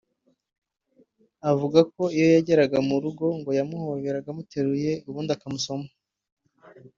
Avuga ko iyo yageraga mu rugo ngo yamuhoberaga amuteruye ubundi akamusoma